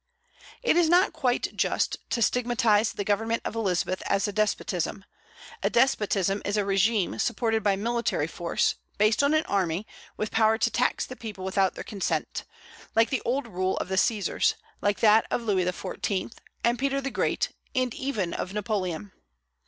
It is not quite just to stigmatize the government of Elizabeth as a despotism, A despotism is a régime supported by military force, based on an army, with power to tax the people without their consent, like the old rule of the Caesars, like that of Louis XIV. and Peter the Great, and even of Napoleon.